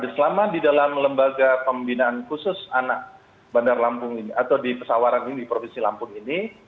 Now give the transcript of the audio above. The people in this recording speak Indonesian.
selama di dalam lembaga pembinaan khusus anak bandar lampung ini atau di pesawaran ini di provinsi lampung ini